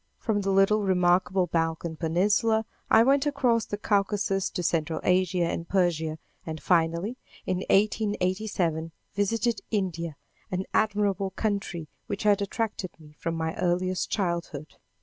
From the little remarkable Balkan peninsula, I went across the Caucasus to Central Asia and Persia, and finally, in 1887, visited India, an admirable country which had attracted me from my earliest childhood.